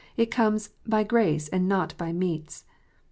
It comes "by grace, and not by meats."